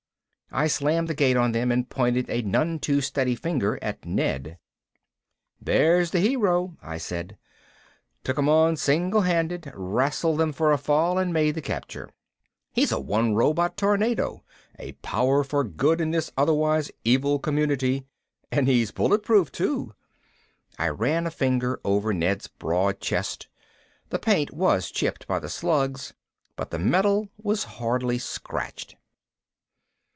I slammed the gate on them and pointed a none too steady finger at Ned. "There's the hero," I said. "Took them on single handed, rassled them for a fall and made the capture. He is a one robot tornado, a power for good in this otherwise evil community. And he's bulletproof too." I ran a finger over Ned's broad chest. The paint was chipped by the slugs, but the metal was hardly scratched.